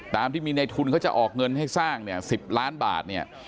ตามที่มีในทุนเขาจะออกเงินให้สร้างเนี่ย๑๐ล้านบาทเนี่ย